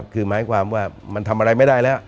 คือหมายความว่ามันทำอะไรไม่ได้แล้ว